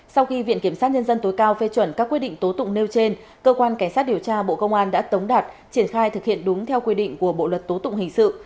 sau khi viện kiểm sát nhân dân tối cao phê chuẩn các quyết định tố tụng nêu trên cơ quan cảnh sát điều tra bộ công an đã tống đạt triển khai thực hiện đúng theo quy định của bộ luật tố tụng hình sự